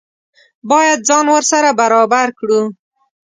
باید ځان ورسره برابر کړو.